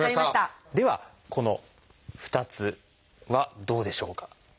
ではこの２つはどうでしょうか？